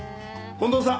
近藤さん